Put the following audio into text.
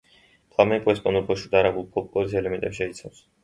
ფლამენკო ესპანურ, ბოშურ და არაბულ ფოლკლორის ელემენტებს შეიცავს.